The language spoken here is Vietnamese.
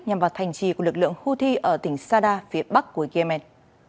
nhằm vào thành trì của lực lượng houthi ở tỉnh sadda phía bắc của yemen